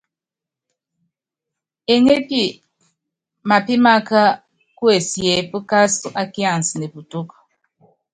Eŋépí mápímaká kuesiép káásɔ́ á kians ne putúk.